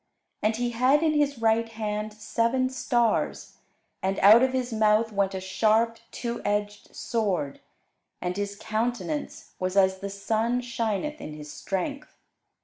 And he had in his right hand seven stars: and out of his mouth went a sharp two edged sword: and his countenance was as the sun shineth in his strength.